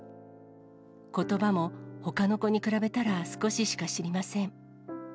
ことばもほかの子に比べたら少ししか知りません。